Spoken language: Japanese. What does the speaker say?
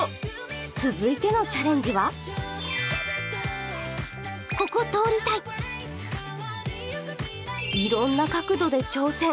続いてのチャレンジはいろんな角度で挑戦。